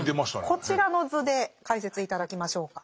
こちらの図で解説頂きましょうか。